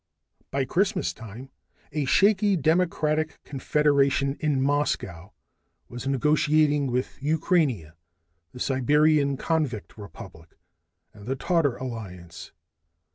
By Christmas time, a shaky democratic confederation in Moscow was negotiating with Ukrainia, the Siberian Convict Republic, and the Tartar Alliance.